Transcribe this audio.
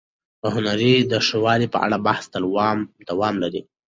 د هنر د ښه والي په اړه بحث تل دوام لري.